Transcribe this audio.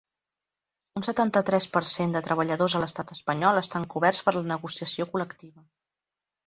Un setanta-tres per cent de treballadors a l’estat espanyol estan coberts per la negociació col·lectiva.